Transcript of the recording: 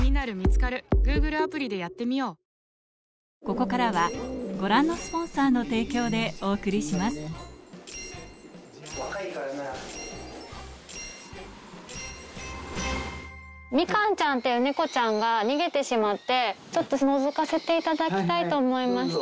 ぷはーっみかんちゃんっていう猫ちゃんが逃げてしまって、ちょっとのぞかせていただきたいと思いまして。